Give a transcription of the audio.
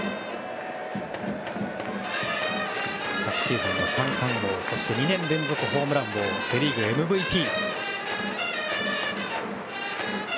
昨シーズンは三冠王そして２年連続ホームラン王セ・リーグＭＶＰ。